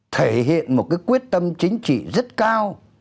thể hiện một quyết tâm chính trị rất cao